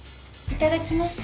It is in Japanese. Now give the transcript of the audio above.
いただきます。